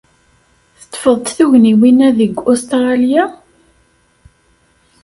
Teṭṭfeḍ-d tugniwin-a deg Ustṛalya?